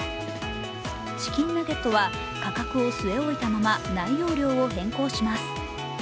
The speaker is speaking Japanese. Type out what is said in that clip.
チキンナゲットは、価格を据え置いたまま内容量を変更します。